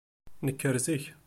Nker zik.